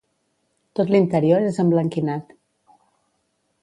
Tot l'interior és emblanquinat.